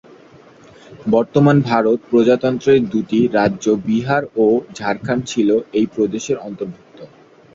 বর্তমান ভারত প্রজাতন্ত্রের দুটি রাজ্য বিহার ও ঝাড়খণ্ড ছিল এই প্রদেশের অন্তর্ভুক্ত।